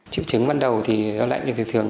chứng bệnh ban đầu thì do lạnh thì thường thường